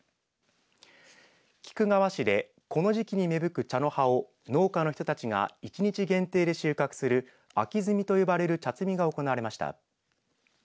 菊川市でこの時期に芽吹く葉を農家の人たちが１日限定で収穫する秋摘みと呼ばれる茶摘みが行われました。